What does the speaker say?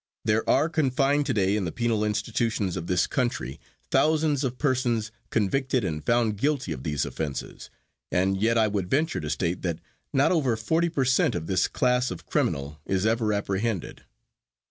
There are confined today in the penal institutions of this country, thousands of persons convicted and found guilty of these offenses, and yet I would venture to state that not over forty per cent of this class of criminal is ever apprehended.